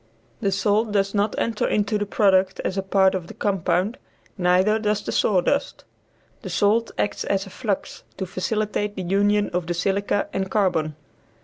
The salt does not enter into the product as a part of the compound, neither does the sawdust. The salt acts as a flux to facilitate the union of the silica and carbon.